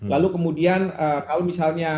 lalu kemudian kalau misalnya